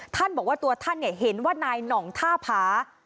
ท่านบอกว่าตัวท่านเนี่ยเห็นว่านายหน่องท่าผา